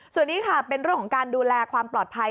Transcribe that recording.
ส่วนนี้ค่ะเป็นเรื่องของการดูแลความปลอดภัย